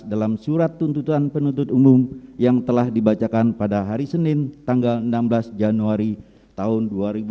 dalam surat tuntutan penuntut umum yang telah dibacakan pada hari senin tanggal enam belas januari tahun dua ribu dua puluh